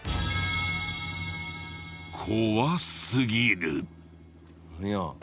怖すぎる。